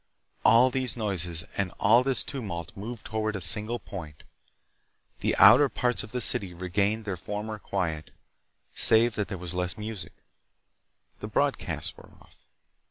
All these noises and all this tumult moved toward a single point. The outer parts of the city regained their former quiet, save that there was less music. The broadcasts were off.